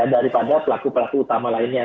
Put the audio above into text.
daripada pelaku pelaku utama lainnya